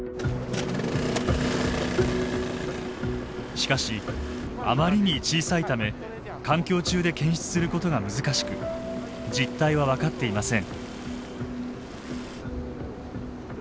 しかしあまりに小さいため環境中で検出することが難しく実態は分かっていません。